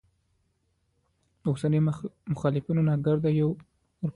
د اوسنيو ملخانو ناکردو یې واروپار ختا کړ.